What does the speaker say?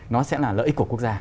nó sẽ là lợi ích của quốc gia